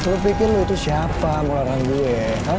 lu pikir lu itu siapa sama orang gue